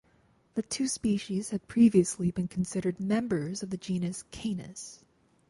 The two species had previously been considered members of the genus "Canis".